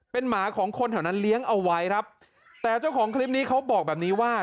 เป็นหมาของคนแถวนั้นเลี้ยงเอาไว้ครับแต่เจ้าของคลิปนี้เขาบอกแบบนี้ว่า